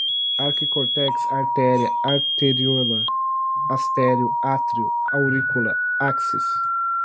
arquicórtex, artéria, arteríola, astério, átrio, aurícula, áxis